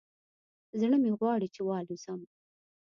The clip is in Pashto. زړه مې غواړي چې والوزم